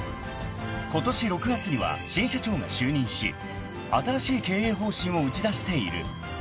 ［ことし６月には新社長が就任し新しい経営方針を打ち出している］